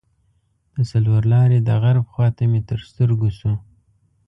د څلور لارې د غرب خواته مې تر سترګو شو.